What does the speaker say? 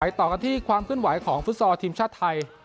ไปต่อกันที่ความขึ้นไหวของฟุตซอร์ทีมชาติไทย